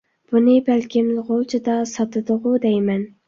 بۇنى بەلكىم غۇلجىدا ساتىدىغۇ دەيمەن.